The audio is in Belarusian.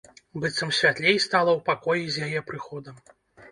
Быццам святлей стала ў пакоі з яе прыходам.